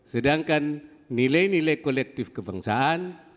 sedangkan nilai nilai kolektif kebangsaan